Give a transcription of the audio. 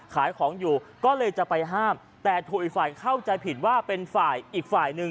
ขายของอยู่ก็เลยจะไปห้ามแต่ถูกอีกฝ่ายเข้าใจผิดว่าเป็นฝ่ายอีกฝ่ายหนึ่ง